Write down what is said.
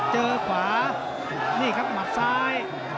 เจอขวานี่ครับหมัดซ้าย